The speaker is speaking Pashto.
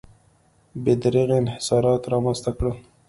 بې دریغه انحصارات رامنځته کړل.